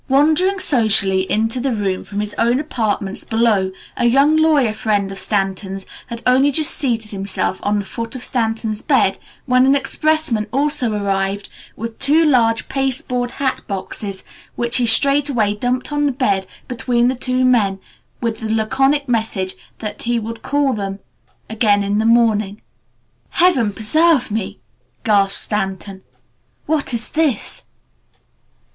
Wandering socially into the room from his own apartments below, a young lawyer friend of Stanton's had only just seated himself on the foot of Stanton's bed when an expressman also arrived with two large pasteboard hat boxes which he straightway dumped on the bed between the two men with the laconic message that he would call for them again in the morning. "Heaven preserve me!" gasped Stanton. "What is this?"